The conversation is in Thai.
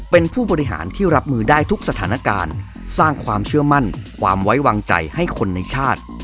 เป็นผู้บริหารที่รับมือได้ทุกสถานการณ์สร้างความเชื่อมั่นความไว้วางใจให้คนในชาติ